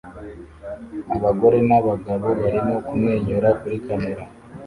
abagore n'abagabo barimo kumwenyura kuri kamera